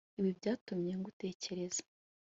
Ibi byatumye ngutekereza